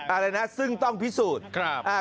อะไรนะซึ่งต้องพิสูจน์